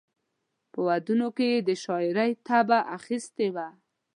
په ودونو کې یې د شاعرۍ طبع اخیستې وه.